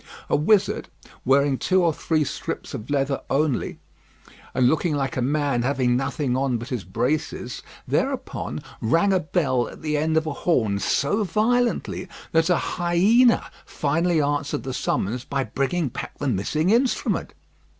A wizard, wearing two or three strips of leather only, and looking like a man having nothing on but his braces, thereupon rang a bell at the end of a horn so violently, that a hyena finally answered the summons by bringing back the missing instrument.